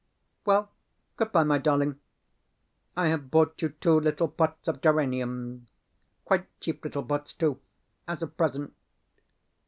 Well good bye, my darling. I have bought you two little pots of geraniums quite cheap little pots, too as a present.